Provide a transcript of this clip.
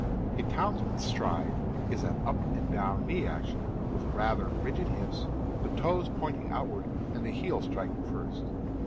The townsman's stride is an up and down knee action, with rather rigid hips, the toes pointing outward, and heels striking first.